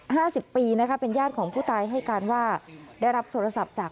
ห้าสิบปีนะคะเป็นญาติของผู้ตายให้การว่าได้รับโทรศัพท์จาก